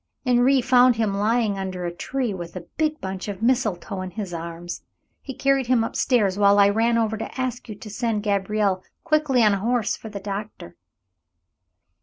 Henri found him lying under a tree with a big bunch of mistletoe in his arms. He carried him up stairs while I ran over to ask you to send Gabriel quickly on a horse for the doctor."